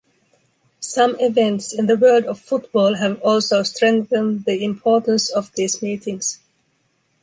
Some events in the world of football have also strengthen the importance of these meetings.